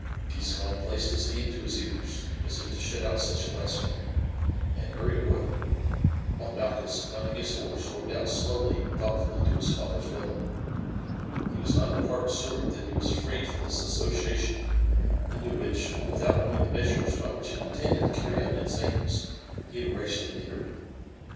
Giscon placed his hand to his ears as if to shut out such blasphemy, and hurried away, while Malchus, mounting his horse, rode out slowly and thoughtfully to his father's villa. He was not at heart sorry that he was freed from this association into which, without knowing the measures by which it intended to carry out its aims, he had rashly entered.